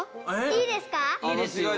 いいですよ。